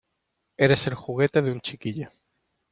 ¡ Eres el juguete de un chiquillo!